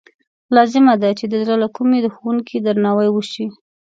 لازمه ده چې د زړه له کومې د ښوونکي درناوی وشي.